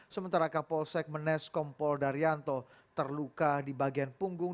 sementara kapol segmenes kompol daryanto terluka di bagian punggung